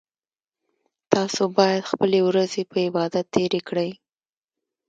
تاسو باید خپلې ورځې په عبادت تیرې کړئ